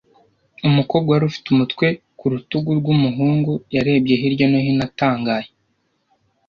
Umukobwa wari ufite umutwe ku rutugu rw’umuhungu, yarebye hirya no hino atangaye.